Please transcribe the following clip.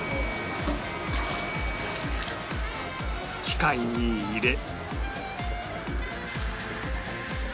機械に入れ